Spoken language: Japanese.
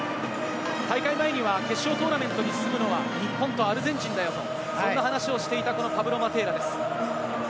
大会前には決勝トーナメントに進むのは日本とアルゼンチンだよ、そんな話をしていたマテーラです。